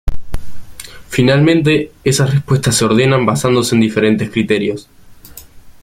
Finalmente, esas respuestas se ordenan basándose en diferentes criterios.